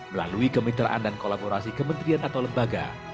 melalui kemitraan dan kolaborasi kementerian atau lembaga